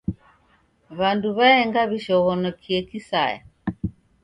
W'andu w'aenga w'ishoghonokie kisaya.